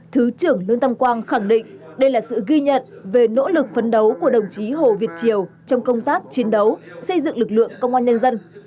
thứ trưởng lương tâm quang khẳng định đây là sự ghi nhận về nỗ lực phấn đấu của đồng chí hồ việt triều trong công tác chiến đấu xây dựng lực lượng công an nhân dân